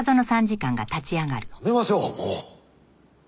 やめましょうもう。